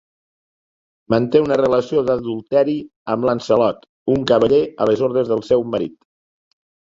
Manté una relació d'adulteri amb Lancelot, un cavaller a les ordres del seu marit.